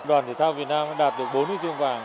đoàn thể thao việt nam đạt được bốn huy chương vàng